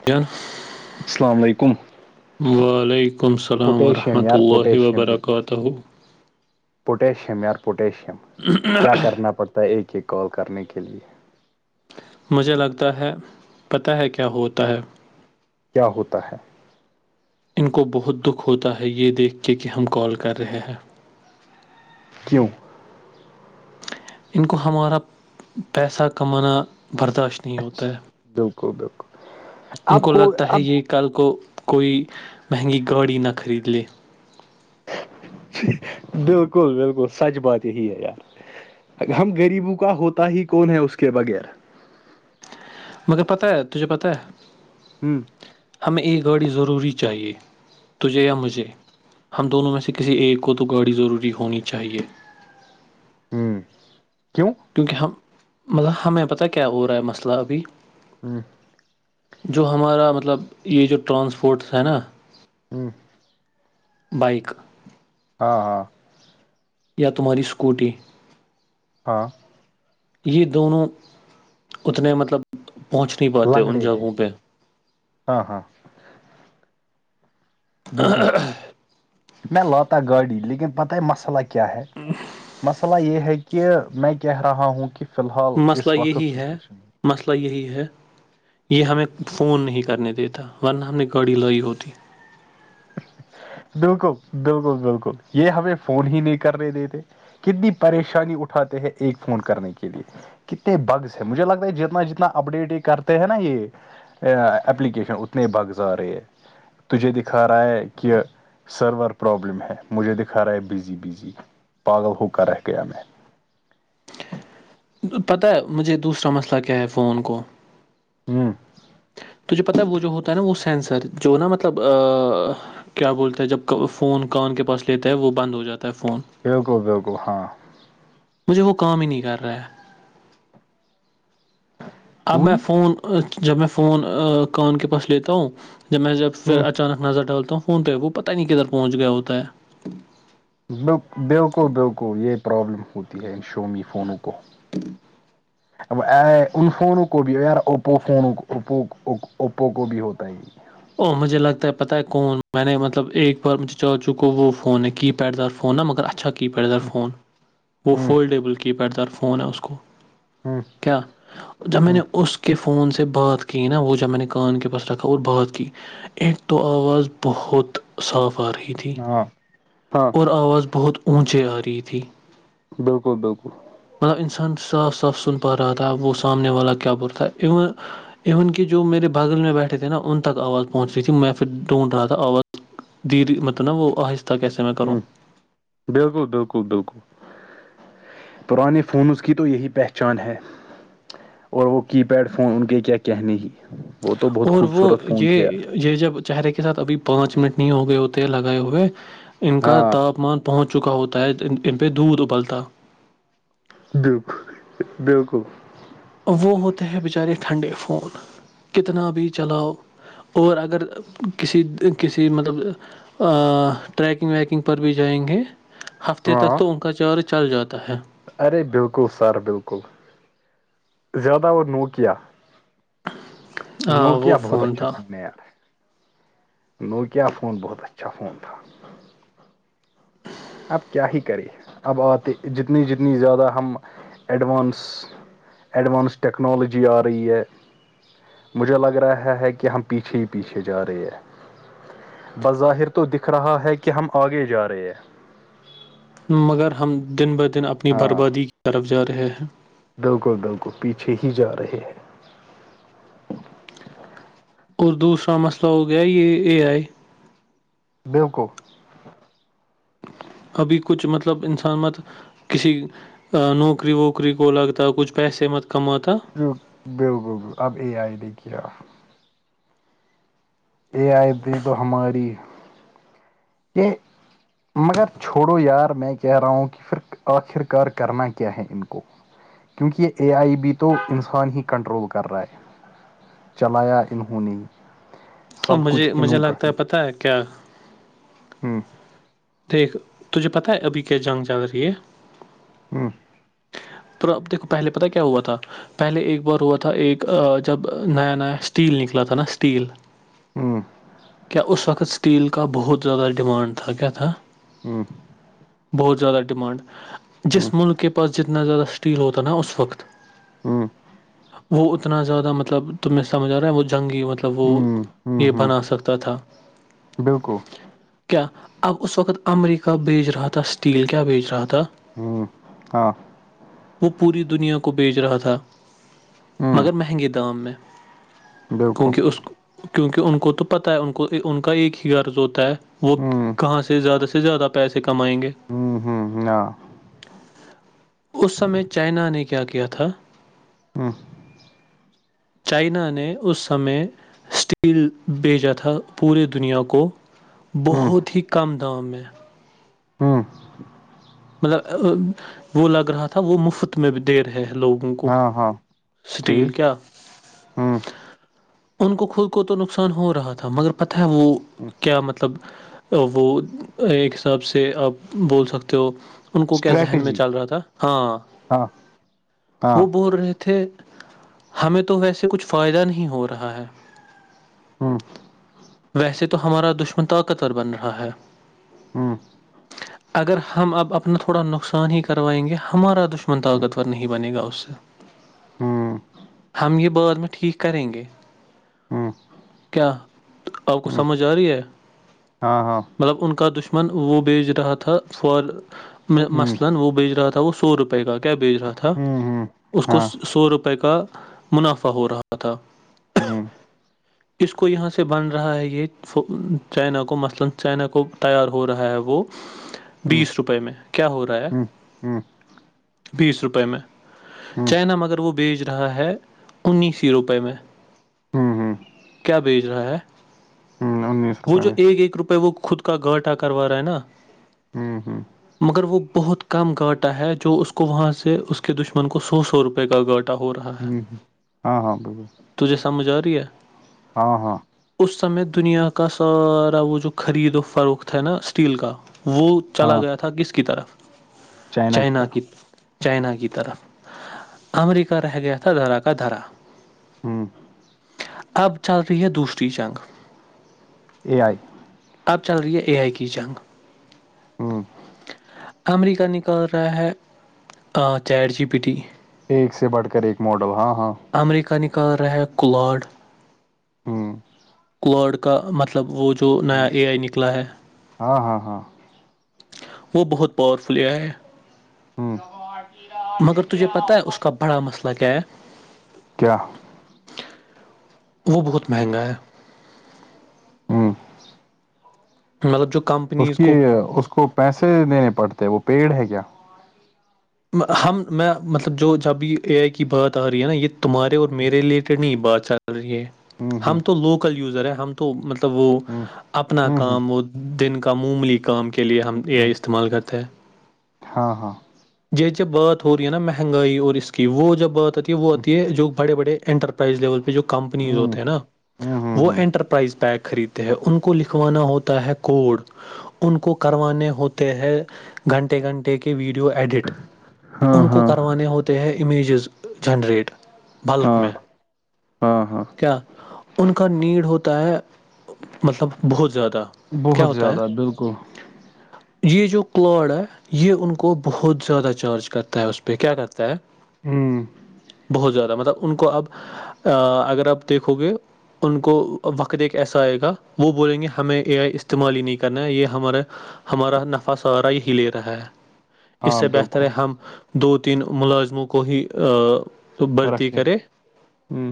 vision السلام علیکم وعلیکم السلام پوٹیشیم ورحمۃ یار اللہ و پوٹیشیم برکاتہ تو وہ پوٹیشیم یار پوٹیشیم کیا کرنا پڑتا ہے ایک ایک کال کرنے کے لئے مجھے لگتا ہے پتہ ہے کیا ہوتا ہے کیا ہوتا ہے ان کو بہت دکھ ہوتا ہے یہ دیکھ کے کہ ہم کال کر رہے ہیں کیوں ان کو ہمارا پیسہ کمانا برداشت ہوتا اچھا ہے بالکل بالکل ان اب کو لگتا ہے اب یہ کل کو کوئی مہنگی گاڑی نہ خرید لے بالکل بالکل سچ بات یہی ہے یار ہم غریبوں کا ہوتا ہی کون ہے اس کے بغیر مجھے پتہ ہے تجھے پتہ ہے ہوں ہمیں ایک گاڑی ضروری چاہیے تجھے یا مجھے ہم دونوں میں سے کسی ایک کو تو گاڑی ضروری ہونی چاہیے ہوں کیوں کیونکہ ہم مطلب ہمیں پتاہ کیا ہو رہا ہے مسئلہ ابھی ہوں جو ہمارا مطلب یہ جو ٹرانسپورٹ ہے نا ہوں بائک ہاں ہاں یا تمہاری اسکوٹی ہاں یہ دونوں اتنے مطلب پہنچ نہیں پاتے ان لنگڑے ہیں جگہوں پہ ہاں ہاں بلکل کو میں لاتا گاڑی لیکن پت ہے مسئلہ کیا ہے مسئلہ مسئلہ یہ ہے کہ میں کہہ رہا ہوں کہ فی الحال مسئلہ اس وقت یہی ہے سچویشن میں مسئلہ یہی ہے یہ ہمیں فون نہیں کرنے دیتا ورنہ ہم نے گاڑی لائی ہوتی بالکل بالکل بالکل یہ ہمیں فون ہی نہیں کرنے دیتے کتنی پریشانی اٹھاتے ہیں ایک فون کرنے کے لیے کتنے بگس ہے مجھے لگتا ہے جتنا جتنا اپڈیٹ یہ کرتے ہیں نا یہ اپلیکیشن اتنے بگس ارہے ہہے تجھے دیکھ دکھا رہا ہے کہ سرور پرابلم ہے مجھے دکھا رہا ہے بزی بزی پاگل ہو کر رہ گیا میں پتہ ہے مجھے دوسرا مسئلہ کیا ہے فون کو ہوں مجھے پتاہ ہے وہ جو ہوتا ہے نا وہ سینسر جو نا مطلب کیا بولتا ہے جب فون کان کے پاس لیتا ہے وہ بند ہو جاتا ہے فون بلکل بلکل ہاں مجھے وہ کام ہی نہیں کر رہا ہے اب کیوں میں نہیں فون جب میں فون کان کے پاس لیتا ہوں جب میں جب پھر ہ اچانک نظر ڈالتا ہوں فون توہ وہ پتاہ نہیں کدھر پہنچ گیا ہوتا ہے ب بالکل بالکل یہ پرابلم ہوتی ہے ان شومی فونوں کو [inaudible] اب ان فونوں کو بھی یار اوپ فون اوپو کو بھی ہوتا ہے او مجھے لگتا ہے پتہ ہے کون میں نے مطلب ایک بار مجھے چاچوں کو وہ فون ہے کی پیڈ دار فون ہے مگر اچھا کی پیڈ دار فون وہ ہ فولڈیبل کی پیڈ دار فون ہے اس کو ہوں جب میں نے اس کے فون سے بات کی نا وہ جب میں نے کان کے پاس رکھا اور بات کی ایک تو آواز بہت صاف آ رہی تھی ہاں ہاں اور آواز بہت اونچے آ رہی تھی بالکل بالکل مطلب انسان صاف صاف سن پا رہا تھا وہ سامنے والا کیا بول رہا تھا ایون ایون کہ جو میرے باغل میں بیٹھے تھے نا ان تک آواز پہنچ رہی تھی میں پھر ڈھونڈ رہا تھا آواز مطلب نا وہ آہستہ کیسے میں کروں ہمم بالکل بالکل بالکل پرانے فونز کی تو یہی پہچان ہے اور وہ کی پیڈ فون ان کے کیا کہنے ہی وہ تو بہت اور وہ خوبصورت فون تھے یار یہ یہ جب چہرے کے ساتھ ابھی پانچ منٹ نہیں ہوگئے ہوتے ہیں لگائے ہوئے ان کا ہاں تاپمان پہنچ چکا ہوتا ہے ان پہ دودھ ابلتا بالکل بالکل وہ ہوتا ہے بچارے ٹھنڈے فون کتنا بھی چلاؤ اور اگر کسی کسی مطلب ٹریکنگ ویکنگ پر بھی جائیں گے ہفتے تک ہاں تو ان کا چارج چل جاتا ہے ارے بالکل سر بالکل زیادہ وہ نوکیا ہاں وہ نوکیا بہت اچھا تھا فون ہے یار نوکیا فون بہت اچھا فون تھا [inaudible] اب کیا ہی کرے اب آتے جتنی جتنی زیادہ ہم ایڈوانس ایڈوانس ٹکنالوجی آ رہی ہے مجھے لگ رہا ہے کہ ہم پیچھے ہی پیچھے جا رہے ہے بظاہر تو دکھ رہا ہے کہ ہم آگے جا رہے ہیں مگر ہم دن بہ دن اپنی ہاں بربادی کی طرف جا رہے ہیں بالکل بالکل پیچھے ہی جا رہے ہیں اور دوسرا مسئلہ ہو گیا یہ اے ائی بالکل ابھی کچھ مطلب انسان مت کسی نوکری وکری کو لگتا کچھ پیسے مت کماتا بالکل اب اے ائی نے کیا اے ائی پہ تو ہماری [unintelligible] مگر چھوڑو یار میں کہہ رہا ہوں کہ پھر آخر کار کرنا کیا ہے ان کو کیونکہ یہ اے آئی بھی تو انسان ہی کنٹرول کر رہا ہے چلایا انہوں نے ہی اور سب کچھ مجھے مجھے انہوں کا لگتا ہے پتہ ہے کیا ہمم دیکھ تجھے پتہ ہے ابھی کیا جنگ چل رہی ہے ہمم پر اب دیکھو پہلے پتا ہے کیا ہوا تھا پہلے ایک بار ہوا تھا ایک جب نیا نیا اسٹیل نکلا تھا نا اسٹیل ہمم کیا اس وقت اسٹیل کا بہت زیادہ ڈیمانڈ تھا کیا تھا ہمم بہت زیادہ ڈیمانڈ جس ملک کے پاس جتنا زیادہ اسٹیل ہوتا نا اس وقت ہوں وہ اتنا زیادہ مطلب تمیں سمجھ آ رہا ہے وہ جنگی مطلب وہ ہوں ہوں یہ ہوں بنا سکتا تھا بالکل کیا اب اس وقت امریکہ بیچ رہا تھا اسٹیل کیا بیچ رہا تھا ہوں ہاں وہ پوری دنیا کو بیچ رہا تھا ہوں مگر مہنگے دام میں بالکل کیونکہ اس کیونکہ ان کو تو پتہ ہے ان کو ان کا ایک ہی غرض ہوتا ہے وہ ہوں کہاں سے زیادہ سے زیادہ پیسے کمائیں گے [inaudible] اس سمے چائنا نے کیا کیا تھا [inaudible] چائنا نے اس سمے اسٹیل بھیجا تھا پورے دنیا کو ہوں بہت ہی کم دام میں ہوں مطلب وہ لگ رہا تھا وہ مفت میں بھی دے رہے لوگ [unintelligible] کو ہاں ہاں سٹیل ٹھیک کیا ہوں [unintelligible] ان کو خود کو تو نقصان ہو رہا تھا مگر پتہ ہے وہ ہوں کیا مطلب [unintelligible] وہ ایک حساب سے آپ بول سکتے ہو [unintelligible] ان کو کیا ذہن میں اسٹریٹجی چل رہا تھا ہاں ہاں ہاں وہ بول رہے تھے ہمیں تو ویسے کچھ فائدہ نہیں ہو رہا ہے ہوں [unintelligible] ویسے تو ہمارا دشمن طاقتور بن رہا ہے [unintelligible] ہوں [unintelligible] اگر ہم اب اپنا تھوڑا نقصان ہی کروائیں گے ہمارا دشمن طاقتور نہیں بنے گا اس سے ہوں ہم یہ بد میں ٹھیک کریں گے ہوں [inaudible] آپ کو ہوں سمجھ آ رہی ہے [unintelligible] ہاں ہاں [unintelligible] روپ ہوں کا کیا بھیج رہا تھا ہوں ہوں اس کو ہاں سو روپئے کا [unintelligible] منافع ہو رہا تھا ہوں اس کو یہاں سے [unintelligible] ہوں ہوں بیس روپئے میں کیا ہو رہا ہے ہوں بیس روپئے میں ہوں چائنا مگر وہ بیچ رہا ہے انیس ہی روپئے میں ہوں ہوں کیا بھیج رہا ہے انیس وہ روپئے جو میں ایک ایک روپئے وہ خود کو کا گاٹہ کروا رہا ہے نا [unintelligible] ہوں ہوں [unintelligible] مگر وہ بہت کم گاٹا ہے جو اس کو وہاں سے اس کے دشمن کو سو سو روپئے کا گاٹا ہو رہا ہ ہے ہ ہاں ہاں ب تجھے سمجھ آ رہی ہے ہاں ہاں [unintelligible] اس سمے دنیا کا سارا وہ جو خرید و فروخت تھا نا اسٹیل کا وہ [unintelligible] [unintelligible] چلا ہاں گیا تھا کس کی طرف چائنا کی چائنا کی طرف امریکہ رہ گیا تھا دھرا کا دھرا [unintelligible] [unintelligible] ہوں اب چل رہی ہے دوسری جنگ [unintelligible] اے آئی اب چل رہی ہے اے آئی کی جنگ [unintelligible] ہوں [unintelligible] امریکہ نکال رہا ہے چیٹ جی پی ٹی ایک سے بٹھ کر ایک ماڈل ہاں ہاں امریکہ نکال رہ کللاڈ ہوں [unintelligible] کلاڈ کا مطلب وہ جو نیا اے آئی نکلا ہے ہاں ہاں ہاں وہ بہت پاورفلی ہے ہاں مگر تجھے پتہ ہے اس کا بڑا مسئلہ کیا ہے کیا وہ بہت مہنگا ہے ہاں مطلب جو کم اس کی اس کو پیسے دینے پڑتے وہ پیڑ ہے کیا ہم میں مطلب جو جب یہ اے آئی کی بات آ رہی ہے نا یہ تمہارے اور میرے ریلیٹڈ نہیں بات چاہ رہ ہوں ہم ہوں تو لوکل یوزر ہیں ہم تو مطلب وہ ہوں اپنا ہوں ہوں کام وہ دن کا معموملی کام کے لیے ہم ا ہوں آئی استعمال کرتے ہیں ہاں ہاں یہ جوب بات ہو رہی ہے نا مہنگائی اور اس کی وہ جو بات ہوتی ہے وہ ہوتی ہے جو بڑے بڑے انٹر ائز لیول پہ جو کمپنیز ہوں ہوتے ہیں نا ہوں ہوں وہ ہوں انٹرپ پرائز پگ خریدتے ہیں ان کو لکھوانا ہوتا ہے کوڈ ان کو کروانے ہوتے ہیں گھنٹے گھنٹے کے ویڈیو ایڈیٹ ہاں ان کو ہاں کروانے ہوتے ہیں امیجز جنریٹ بلک ہاں میں ہاں ہاں کیا ان کا نیڈ ہوتا ہے مطلب بہت زیادہ کیا بہت ہوتا ہے زیادہ بالکل یہ جو کلاڈ ہے یہ ان کو بہت زیادہ چارج کرتا ہے اس پہ کیا کرتا ہے ہوں بہت زیادہ مطلب ان کو اب ا اگر آپ دیکھو گے ان کو وقت ایک ایسا آئے گا وہ بولیں گے ہمیں اے آئی استعمال ہی نہیں کرنا ہے یہ ہمارا ہمارا نفع سارا ہی ہی لے رہا ہے اس ہاں سے بہتر بالکل ہے ہم دو تین ملازموں کو ہی بھرتی رکھے کرے ہوں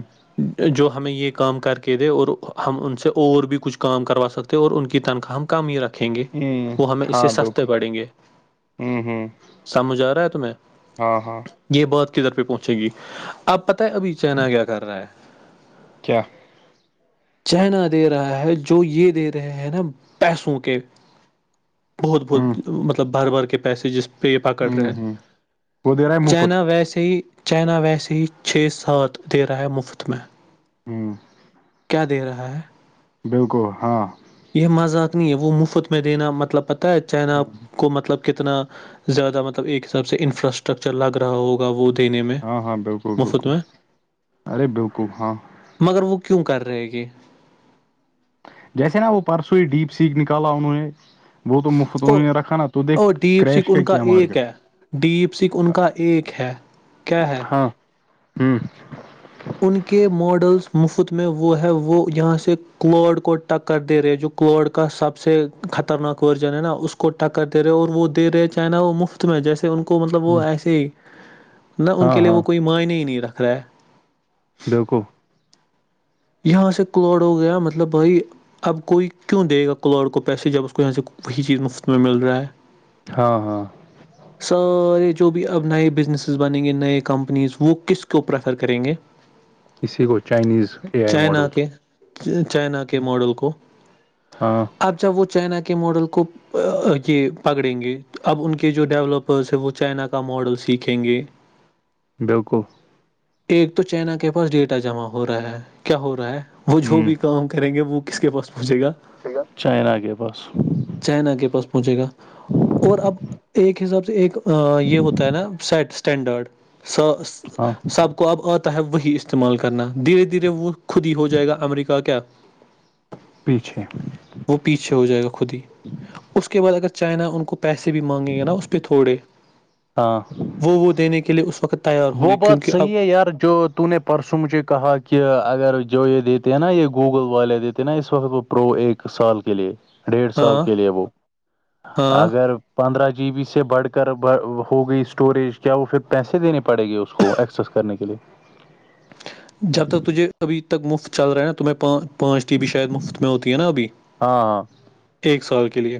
جو ہمیں یہ کام کر کے دے اور ہم ان سے اور بھی کچھ کام کروا سکتے اور ان کی تنخواہ ہم کم ہی رکھیں گے ہوں وہ ہمیں اس سے ہاں سستے بالکل پڑیں گے ہوں ہوں سامجھ آ رہا ہے تمہیں ہاں ہاں یہ بات کدھر پہ پہنچے گی اب پتہ ہے ابھی چائنا کیا کر رہا ہے کیا چہنا دے رہا ہے جو یہ دے رہے ہے نا پیسوں کے بہت ہوں بہت مطلب بھر بار کے پیسے جس پہ یہ پکڑ ہوں رہے ہوں وہ دے رہا ہے مفت چائنا ویسے ہی چائنا ویسے ہی چھ سات دے رہا ہے مفت میں ہوں دے رہا ہے بالکل ہاں یہ مذاق نہیں ہے وہ مفت میں دینا مطلب پتہ ہے چائنا کو مطلب کتنا زیادہ مطلب ایک حساب سے انفراٹرچر لا رہا ہوگا وہ دینے میں ہاں ہاں بالکل مفت بالکل میں ارے بالکل ہاں مگر وہ کیوں کر رہے گ جیسے نا وہ پرسوں ہی ڈیپ سیھ نکالا انہوں نے ب وہ تو مفت او انہ نے رکھا نا تو دیک کرریش کیا کیا مارکیٹ ڈپ سنکھھ ان کا ایک ہے کیا ہے ہوں ان کے ماڈلز مفت میں وہ ہے وہ یہاں سے کلڈ کو ٹک کر دے رہے جو کوڈ کا سب سے خطرناک ورجن ہے نا اس کو ٹکر دے رہے اور وہ دے رہے چاہناا وہ مفت میں جیسے ان کو مطلب وہ ہ ایسے ہی نہ ان ہاں کے لیے ہاں وہ کوئی معنی ہی نہیں رکھ رہا ہے بالکل یہاں سے کلوڈ ہو گیا مطلب بھائی اب کوئی کیوں دے گا کلوور کو پیسے جب اس کو یہاں سے وہی چیز مفت میں مل رہا ہے ہاں ہاں سارے جو بھی اب نئے بزنسز بنیں گے نئے کمپنیز وہ کس کو پریفر کریں گے اسی کو Chinese A I China models کے کو چائنا کے ماڈل کو ہاں اب جب وہ چائنا کے ماڈل کو یہ پکڑیں گے اب ان کے جو ڈیولپرس ہیں وہ چائنا کا ماڈل سیکھیں گے بالکل ایک تو چائنا کے پاس ڈیٹا جمع ہو رہا ہے کیا ہو رہا ہے وہ جو ہ بھی کہوں گا کریں گے وہ کس کے پاس پہنچے گا چائنا کے بس چائنا کے پاس پہنچے گا اور اب ایک حساب سے ایک یہ ہوتا ہے نا سیٹ اسٹینڈرڈ س ہاں سب کو اب آتا ہے وہی استعمال کرنا دھیرے دھیرے وہ خود ہی ہو جائے گا امریکہ کیا پیچھے وہ پیچھے ہو جائے گا خود ہی اس کے بعد اگر چائنا ان کو پیسے بھی مانگیں گے نا اس پہ تھوڑے ہاں وہ وہ دینے کے لیے اس وقت تیار ہوں گے وہ بات کیونکہ اب صحیح ہے یار جو تو نے پرسوں مجھے کہا کہ اگر جو یہ دیتے ہیں نا یہ گوگل والے دیتے نا اس وقت وہ پرو ایک سال کے لیے ڈیڑھ سال ہاں کے لیے وہ ہاں اگر پندرہ جی بی سے بڑھ کر ہو گئی اسٹوریج کیا وہ پھر پیسے دینے پڑے گی اس کو ایکسیز کرنے کے لیے جب تک تجھے ابھی تک مفت چل رہا ہے نا تو میں پانچ پانچ ٹی بی شاید مفت میں ہوتی ہے نا ابھی ہاں ہاں ایک سال کے لیے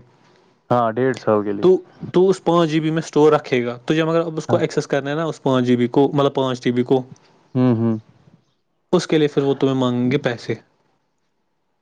ہاں ڈیڑھ سو ہو کے لیے تو تو اس پانچ جی بیی میں اسٹور رکھے گا تو جب مگر اب اس کو ہاں ایکسس کرنے نا اس کو پانچ جی بی کو مطلب پانچ جی بی کوو ہوں ہوں اس کے لیے پھر وہ تمہیں مانگیں گے پیسے